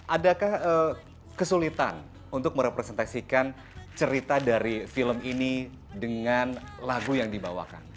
adakah kesulitan untuk merepresentasikan cerita dari film ini dengan lagu yang dibawakan